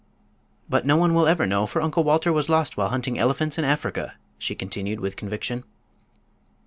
"But no one will ever know, for Uncle Walter was lost while hunting elephants in Africa," she continued, with conviction.